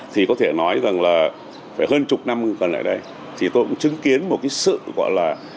thì có thể nói rằng là phải hơn chục năm còn lại đây thì tôi cũng chứng kiến một cái sự gọi là